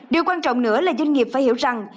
điều quan trọng nữa là doanh nghiệp phải hiểu rằng